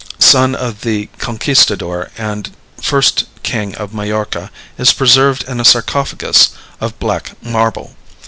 son of the Conquistador and first king of Majorca, is preserved in a sarcophagus of black marble.